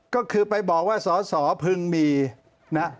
ก็คือไปบอกว่าสอสอพึงมีนะ